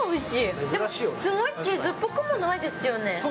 でも、すごいチーズっぽくもないですよね。